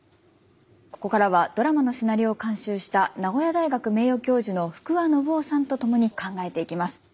ここからはドラマのシナリオを監修した名古屋大学名誉教授の福和伸夫さんと共に考えていきます。